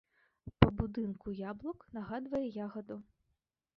Па будынку яблык нагадвае ягаду.